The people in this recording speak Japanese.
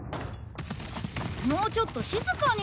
もうちょっと静かに。